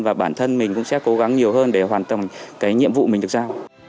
và bản thân mình cũng sẽ cố gắng nhiều hơn để hoàn thành cái nhiệm vụ mình được giao